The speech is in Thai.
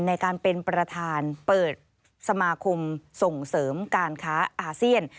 ในการเป็นประธานเปิดสมาคมส่งเสริมการค้าอาเซียน